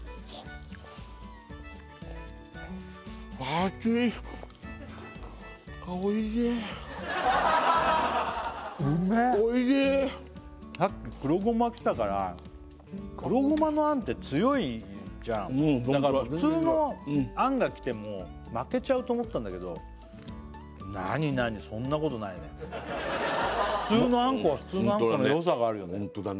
熱いうめえさっき黒ゴマ来たから黒ゴマのあんって強いじゃんだから普通のあんが来ても負けちゃうと思ったんだけど何何普通のあんこは普通のあんこのよさがあるよね